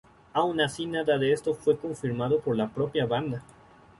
Aun así nada de esto fue confirmado por la propia banda.